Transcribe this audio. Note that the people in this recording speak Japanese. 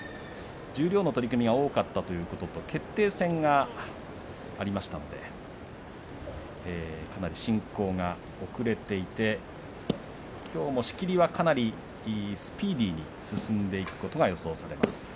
十両の取組が多かったということと、決定戦がありましたのでかなり進行が遅れていてきょうも仕切りはかなりスピーディーに進んでいくことが予想されます。